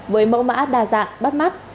với mẫu mã đa dạng bắt mắt